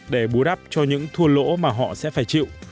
để bù đắp cho những thua lỗ mà họ sẽ phải chịu